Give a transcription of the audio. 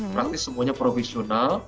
praktis semuanya profesional